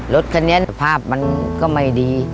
รถคันนี้ภาพมันก็ไม่ดี